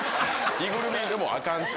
着ぐるみでもあかんって。